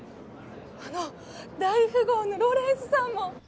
あの大富豪のロレンスさんも。